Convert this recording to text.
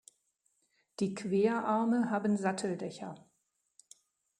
Die Querarme haben Satteldächer.